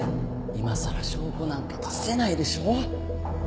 いまさら証拠なんか出せないでしょ？